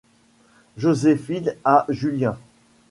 Joséphine a Julien.